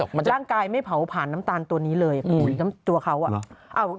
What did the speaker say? แสดงว่าอะไรรงกายไม่เผาผ่านน้ำตาลตัวนี้เลยตัวเขาอะ